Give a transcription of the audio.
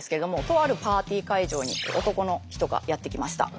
とあるパーティー会場に男の人がやって来ました。